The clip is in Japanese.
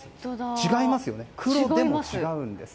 違いますよね、黒でも違うんです。